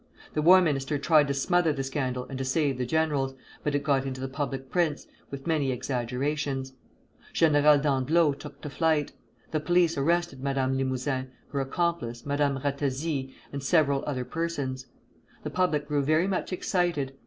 The War Minister tried to smother the scandal and to save the generals, but it got into the public prints, with many exaggerations. General d'Andlau took to flight. The police arrested Madame Limouzin, her accomplice, Madame Ratazzi, and several other persons. The public grew very much excited.